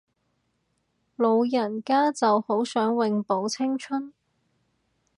老人家就好想永葆青春